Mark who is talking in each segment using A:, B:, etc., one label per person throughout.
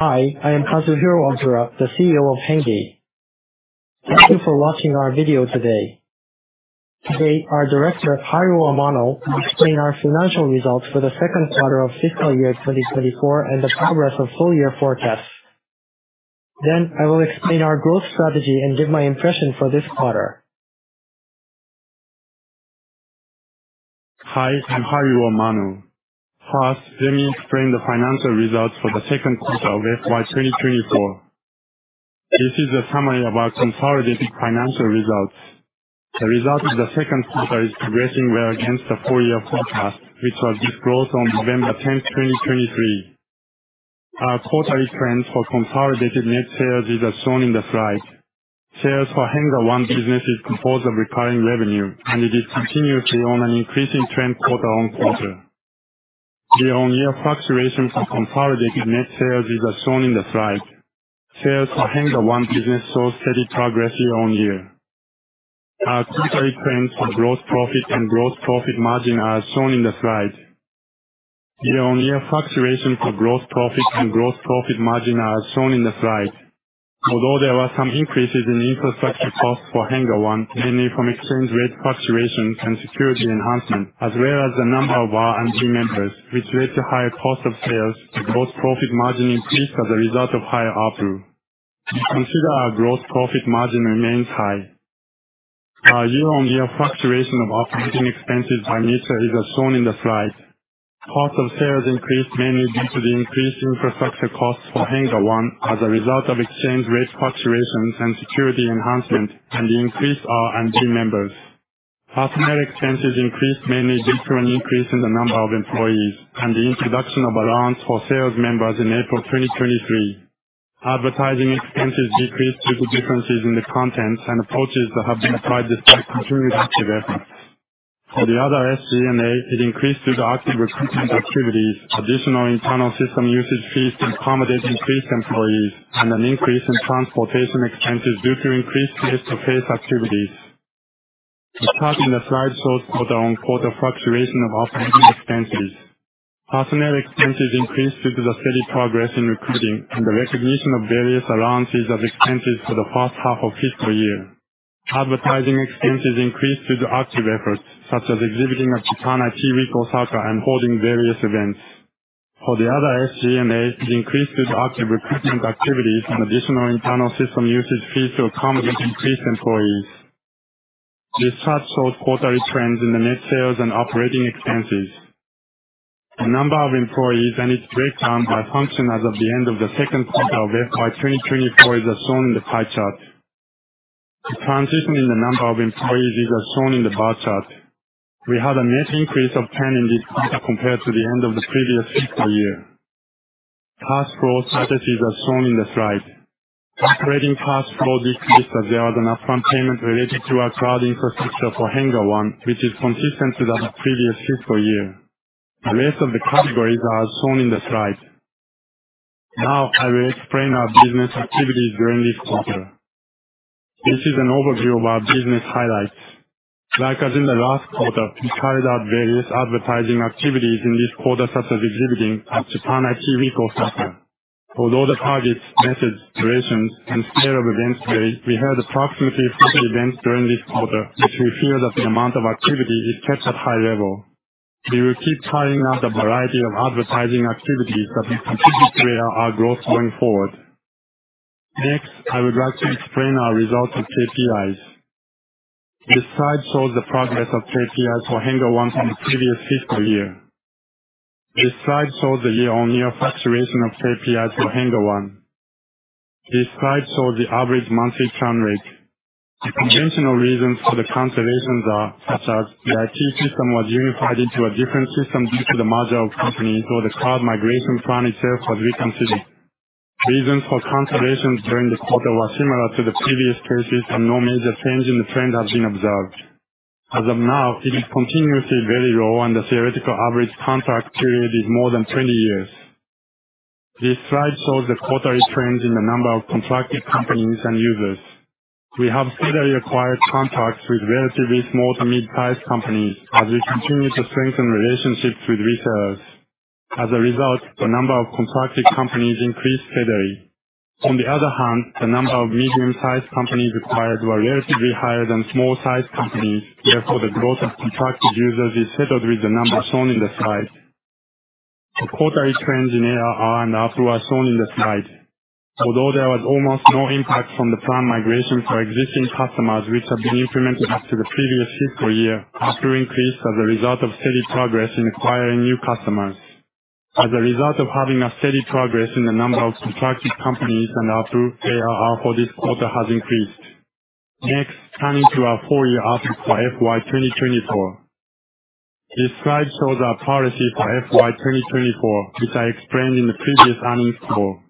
A: Hi, I am Kazuhiro Ogura, the CEO of HENNGE. Thank you for watching our video today. Today, our Director, Haruo Amano, will explain our financial results for the second quarter of fiscal year 2024 and the progress of full year forecasts. Then I will explain our growth strategy and give my impression for this quarter.
B: Hi, I'm Haruo Amano. First, let me explain the financial results for the second quarter of FY 2024. This is a summary of our consolidated financial results. The result of the second quarter is progressing well against the full year forecast, which was disclosed on November 10, 2023. Our quarterly trends for consolidated net sales is as shown in the slide. Sales for HENNGE One business is composed of recurring revenue, and it is continuously on an increasing trend quarter-on-quarter. The year-on-year fluctuation for consolidated net sales is as shown in the slide. Sales for HENNGE One business saw steady progress year-on-year. Our quarterly trends for gross profit and gross profit margin are as shown in the slide. The year-on-year fluctuation for gross profit and gross profit margin are as shown in the slide. Although there were some increases in infrastructure costs for HENNGE One, mainly from exchange rate fluctuations and security enhancements, as well as the number of R&D members, which led to higher cost of sales, gross profit margin increased as a result of higher ARPU. Consider our gross profit margin remains high. Our year-on-year fluctuation of operating expenses by item is as shown in the slide. Cost of sales increased mainly due to the increased infrastructure costs for HENNGE One as a result of exchange rate fluctuations and security enhancements, and the increased R&D members. Personnel expenses increased mainly due to an increase in the number of employees and the introduction of allowance for sales members in April 2023. Advertising expenses decreased due to differences in the contents and approaches that have been tried since continuing active efforts. For the other SG&A, it increased due to active recruitment activities, additional internal system usage fees to accommodate increased employees, and an increase in transportation expenses due to increased face-to-face activities. The chart in the slide shows quarter-on-quarter fluctuation of operating expenses. Personnel expenses increased due to the steady progress in recruiting and the recognition of various allowances of expenses for the first half of fiscal year. Advertising expenses increased due to active efforts, such as exhibiting at Japan IT Week Osaka and holding various events. For the other SG&A, it increased due to active recruitment activities and additional internal system usage fees to accommodate increased employees. This chart shows quarterly trends in the net sales and operating expenses. The number of employees and its breakdown by function as of the end of the second quarter of FY 2024 is as shown in the pie chart. The transition in the number of employees is as shown in the bar chart. We had a net increase of 10 in this quarter compared to the end of the previous fiscal year. Cash flow strategies are shown in the slide. Operating cash flow decreased as there was an upfront payment related to our cloud infrastructure for HENNGE One, which is consistent with our previous fiscal year. The rest of the categories are as shown in the slide. Now, I will explain our business activities during this quarter. This is an overview of our business highlights. Like as in the last quarter, we carried out various advertising activities in this quarter, such as exhibiting at Japan IT Week Osaka. Although the targets, message, durations, and scale of events varied, we held approximately 40 events during this quarter, which we feel that the amount of activity is kept at high level. We will keep trying out a variety of advertising activities that will contribute to our growth going forward. Next, I would like to explain our results and KPIs. This slide shows the progress of KPIs for HENNGE One from the previous fiscal year. This slide shows the year-on-year fluctuation of KPIs for HENNGE One. This slide shows the average monthly churn rate. The conventional reasons for the cancellations are such as the IT system was unified into a different system due to the merger of companies, or the cloud migration plan itself was reconsidered. Reasons for cancellations during the quarter were similar to the previous cases, and no major change in the trend has been observed. As of now, it is continuously very low and the theoretical average contract period is more than 20 years. This slide shows the quarterly trends in the number of contracted companies and users. We have steadily acquired contracts with relatively small to mid-sized companies as we continue to strengthen relationships with resellers. As a result, the number of contracted companies increased steadily. On the other hand, the number of medium-sized companies acquired were relatively higher than small-sized companies, therefore, the growth of contracted users is settled with the number shown in the slide. The quarterly trends in ARR and ARPU are shown in the slide. Although there was almost no impact from the plan migration for existing customers, which have been implemented up to the previous fiscal year, ARPU increased as a result of steady progress in acquiring new customers. As a result of having a steady progress in the number of contracted companies and ARPU, ARR for this quarter has increased. Next, turning to our full year outlook for FY 2024. This slide shows our policy for FY 2024, which I explained in the previous earnings call.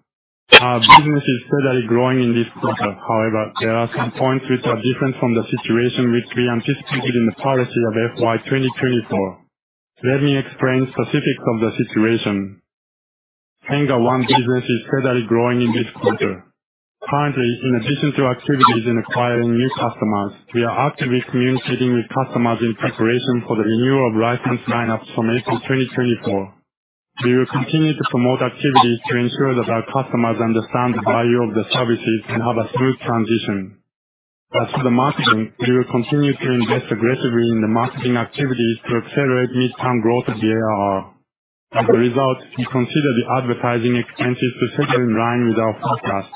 B: Our business is steadily growing in this quarter. However, there are some points which are different from the situation which we anticipated in the policy of FY 2024. Let me explain specifics of the situation. HENNGE One business is steadily growing in this quarter. Currently, in addition to activities in acquiring new customers, we are actively communicating with customers in preparation for the renewal of license lineups from April 2024. We will continue to promote activities to ensure that our customers understand the value of the services and have a smooth transition. As for the marketing, we will continue to invest aggressively in the marketing activities to accelerate mid-term growth of the ARR. As a result, we consider the advertising expenses to stay in line with our forecast.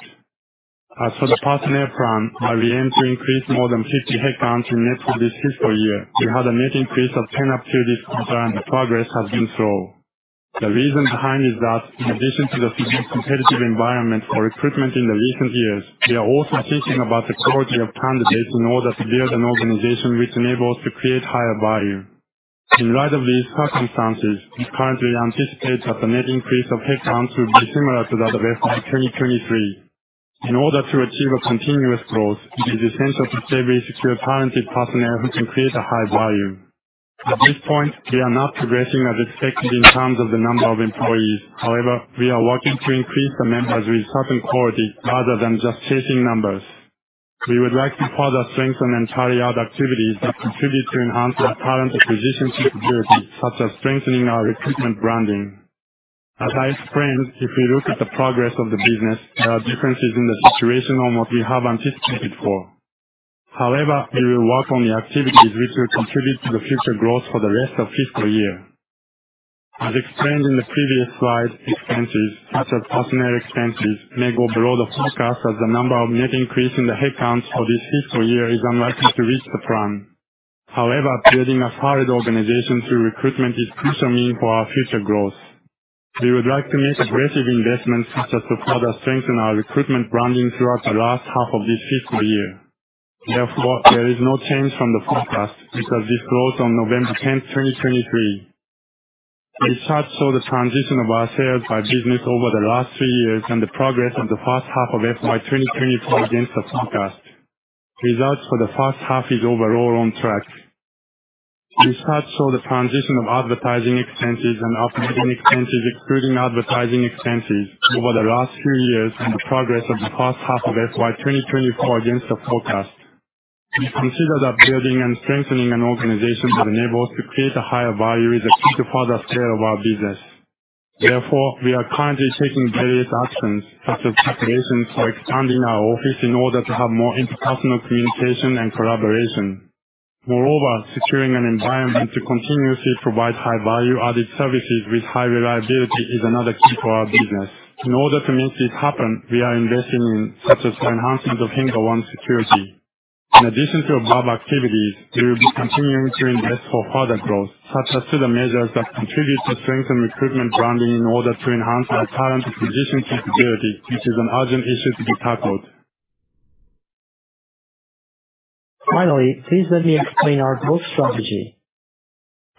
B: As for the personnel plan, our aim to increase more than 50 headcount in net for this fiscal year, we had a net increase of 10 up to this quarter, and the progress has been slow. The reason behind is that in addition to the fierce competitive environment for recruitment in the recent years, we are also thinking about the quality of candidates in order to build an organization which enables to create higher value. In light of these circumstances, we currently anticipate that the net increase of headcount will be similar to that of FY 2023. In order to achieve a continuous growth, it is essential to safely secure talented personnel who can create a high value. At this point, we are not progressing as expected in terms of the number of employees. However, we are working to increase the members with certain quality rather than just chasing numbers. We would like to further strengthen and carry out activities that contribute to enhance our talent acquisition capability, such as strengthening our recruitment branding. As I explained, if we look at the progress of the business, there are differences in the situation on what we have anticipated for. However, we will work on the activities which will contribute to the future growth for the rest of fiscal year. As explained in the previous slide, expenses such as personnel expenses may go below the forecast, as the number of net increase in the headcount for this fiscal year is unlikely to reach the plan. However, building a solid organization through recruitment is crucial means for our future growth. We would like to make aggressive investments, such as to further strengthen our recruitment branding throughout the last half of this fiscal year. Therefore, there is no change from the forecast, because disclosed on November 10, 2023. This chart shows the transition of our sales by business over the last three years and the progress of the first half of FY 2024 against the forecast. Results for the first half is overall on track. This chart shows the transition of advertising expenses and operating expenses, excluding advertising expenses over the last three years and the progress of the first half of FY 2024 against the forecast. We consider that building and strengthening an organization that enables to create a higher value is a key to further scale of our business. Therefore, we are currently taking various actions, such as preparations for expanding our office in order to have more interpersonal communication and collaboration. Moreover, securing an environment to continuously provide high value-added services with high reliability is another key for our business. In order to make this happen, we are investing in, such as the enhancement of HENNGE One security. In addition to above activities, we will be continuing to invest for further growth, such as to the measures that contribute to strengthen recruitment branding in order to enhance our talent acquisition capability, which is an urgent issue to be tackled.
A: Finally, please let me explain our growth strategy.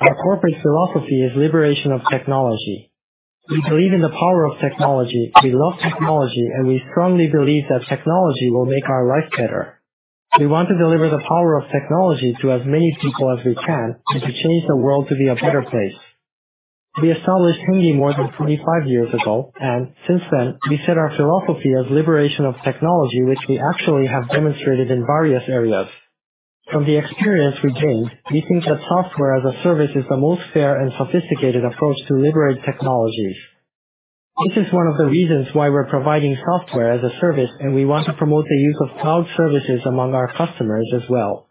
A: Our corporate philosophy is liberation of technology. We believe in the power of technology. We love technology, and we strongly believe that technology will make our life better. We want to deliver the power of technology to as many people as we can, and to change the world to be a better place. We established HENNGE more than 25 years ago, and since then, we set our philosophy as liberation of technology, which we actually have demonstrated in various areas. From the experience we gained, we think that software as a service is the most fair and sophisticated approach to liberate technologies. This is one of the reasons why we're providing software as a service, and we want to promote the use of cloud services among our customers as well.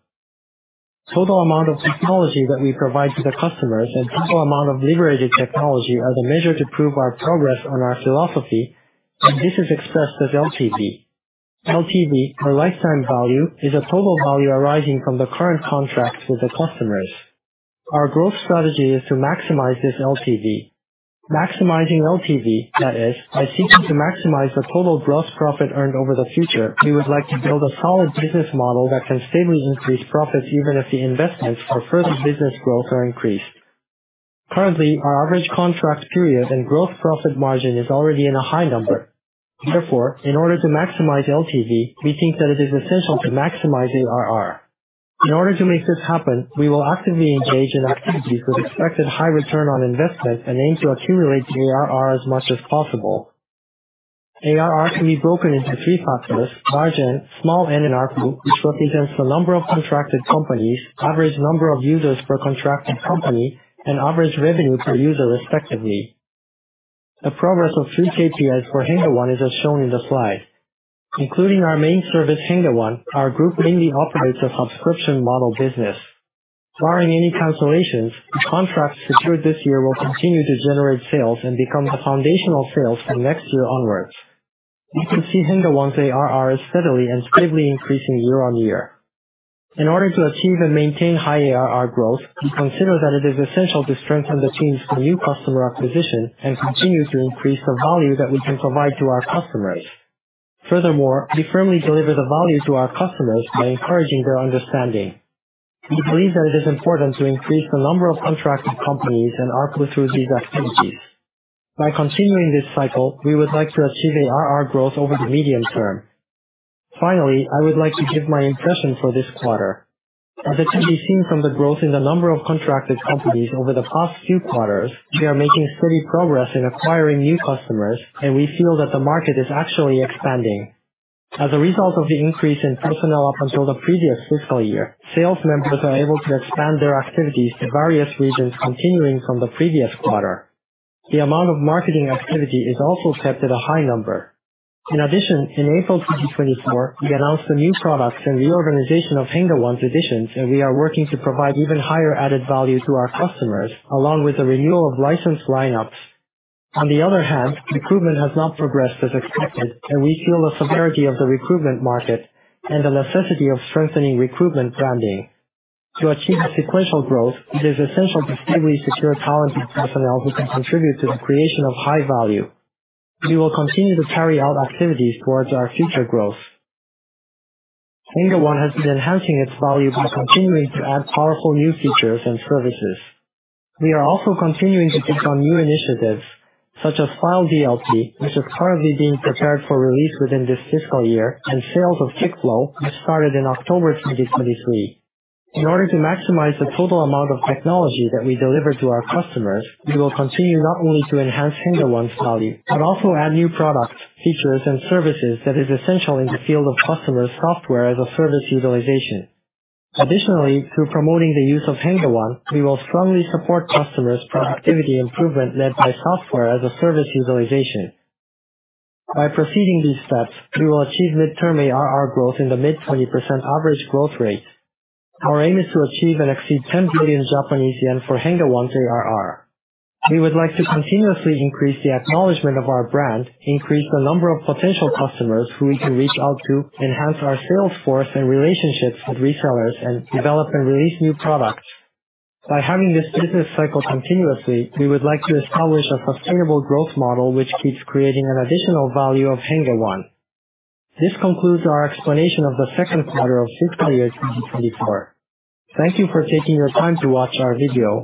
A: Total amount of technology that we provide to the customers and total amount of liberated technology are the measure to prove our progress on our philosophy, and this is expressed as LTV. LTV, or lifetime value, is a total value arising from the current contracts with the customers. Our growth strategy is to maximize this LTV. Maximizing LTV, that is, by seeking to maximize the total gross profit earned over the future, we would like to build a solid business model that can steadily increase profits, even if the investments for further business growth are increased. Currently, our average contract period and gross profit margin is already in a high number. Therefore, in order to maximize LTV, we think that it is essential to maximize ARR. In order to make this happen, we will actively engage in activities with expected high return on investment and aim to accumulate the ARR as much as possible. ARR can be broken into three factors: Large N, Small n, and ARPU, which represents the number of contracted companies, average number of users per contracted company, and average revenue per user, respectively. The progress of three KPIs for HENNGE One is as shown in the slide. Including our main service, HENNGE One, our group mainly operates a subscription model business. Barring any cancellations, the contracts secured this year will continue to generate sales and become the foundational sales from next year onwards. You can see HENNGE One's ARR is steadily and stably increasing year-on-year. In order to achieve and maintain high ARR growth, we consider that it is essential to strengthen the teams for new customer acquisition and continue to increase the value that we can provide to our customers. Furthermore, we firmly deliver the value to our customers by encouraging their understanding. We believe that it is important to increase the number of contracted companies and ARPU through these activities. By continuing this cycle, we would like to achieve ARR growth over the medium term. Finally, I would like to give my impression for this quarter. As it can be seen from the growth in the number of contracted companies over the past few quarters, we are making steady progress in acquiring new customers, and we feel that the market is actually expanding. As a result of the increase in personnel up until the previous fiscal year, sales members are able to expand their activities to various regions, continuing from the previous quarter. The amount of marketing activity is also kept at a high number. In addition, in April 2024, we announced the new products and reorganization of HENNGE One's editions, and we are working to provide even higher added value to our customers, along with the renewal of license lineups. On the other hand, recruitment has not progressed as expected, and we feel the severity of the recruitment market and the necessity of strengthening recruitment branding. To achieve sequential growth, it is essential to steadily secure talented personnel who can contribute to the creation of high value. We will continue to carry out activities towards our future growth. HENNGE One has been enhancing its value by continuing to add powerful new features and services. We are also continuing to take on new initiatives such as File DLP, which is currently being prepared for release within this fiscal year, and sales of kickflow, which started in October 2023. In order to maximize the total amount of technology that we deliver to our customers, we will continue not only to enhance HENNGE One's value, but also add new products, features, and services that is essential in the field of customers software as a service utilization. Additionally, through promoting the use of HENNGE One, we will strongly support customers productivity improvement, led by software as a service utilization. By proceeding these steps, we will achieve mid-term ARR growth in the mid-20% average growth rate. Our aim is to achieve and exceed 10 billion Japanese yen for HENNGE One ARR. We would like to continuously increase the acknowledgement of our brand, increase the number of potential customers who we can reach out to, enhance our sales force and relationships with resellers, and develop and release new products. By having this business cycle continuously, we would like to establish a sustainable growth model, which keeps creating an additional value of HENNGE One. This concludes our explanation of the second quarter of fiscal year 2024. Thank you for taking your time to watch our video.